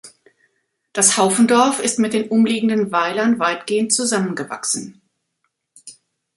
Das Haufendorf ist mit den umliegenden Weilern weitgehend zusammengewachsen.